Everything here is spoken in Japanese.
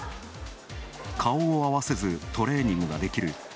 顔を合わせずトレーニングができる